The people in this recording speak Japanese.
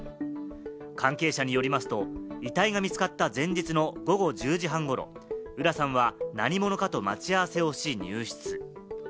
関係者によりますと、遺体が見つかった前日の午後１０時半ごろ、浦さんは何者かと待ち合わせをし、入室。